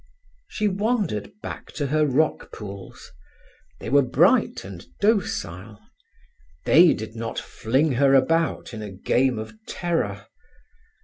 She wandered back to her rock pools; they were bright and docile; they did not fling her about in a game of terror.